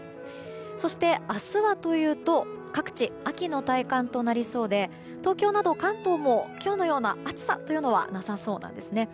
そして、明日はというと各地、秋の体感となりそうで東京など関東も今日のような暑さというのはなさそうなんですね。